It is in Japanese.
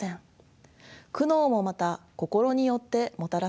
「苦悩」もまた「心」によってもたらされるのです。